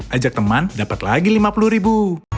ajak teman dapat lagi lima puluh ribu